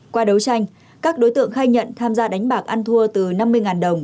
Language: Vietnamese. qua đấu tranh các đối tượng khai nhận tham gia đánh bạc ăn thua từ năm mươi đồng